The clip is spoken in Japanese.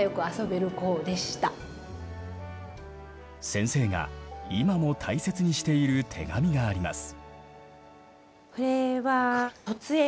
先生が今も大切にしている手紙があります。